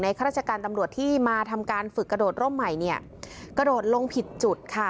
ข้าราชการตำรวจที่มาทำการฝึกกระโดดร่มใหม่เนี่ยกระโดดลงผิดจุดค่ะ